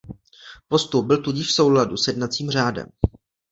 Postup byl tudíž v souladu s jednacím řádem.